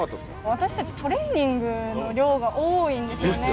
私たちトレーニングの量が多いんですよね。